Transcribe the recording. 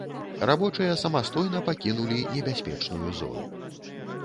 Рабочыя самастойна пакінулі небяспечную зону.